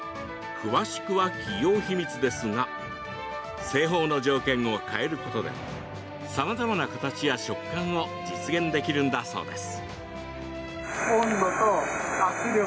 詳しくは企業秘密ですが製法の条件を変えることでさまざまな形や食感を実現できるんだそうです。